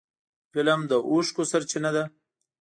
فلم د اوښکو سرچینه ده